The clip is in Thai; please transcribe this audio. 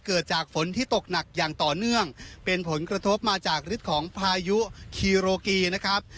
เกิดจากฝนที่ตกหนักอย่างต่อเนื่องเป็นผลกระทบมาจากฤทธิ์ของพายุคีโรกีนะครับ